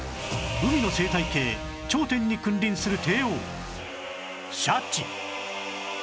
海の生態系頂点に君臨する帝王シャチ